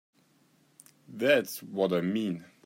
That's what I mean.